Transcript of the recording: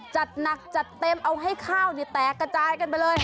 จัดหนักจัดเต็มเอาให้ข้าวแตกกระจายกันไปเลย